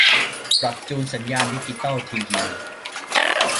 ปรับจูนสัญญาณดิจิตอลทีวี